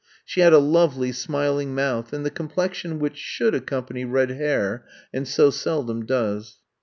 She had a lovely smiling mouth and the complexion which should accompany red hair and so seldom does.